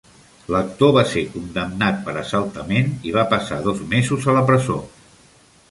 L'actor va ser condemnat per assaltament i va passar dos mesos a la presó.